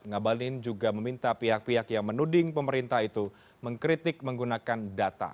ngabalin juga meminta pihak pihak yang menuding pemerintah itu mengkritik menggunakan data